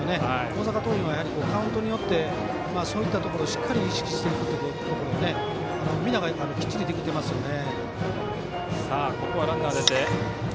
大阪桐蔭はカウントによってそういったところをしっかり意識していくということ皆がきっちりできていますよね。